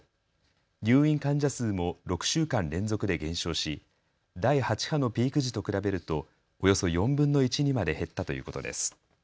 入院患者数も６週間連続で減少し、第８波のピーク時と比べるとおよそ４分の１にまで減ったということです。